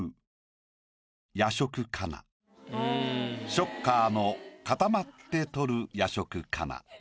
「ショッカーのかたまって摂る夜食かな」。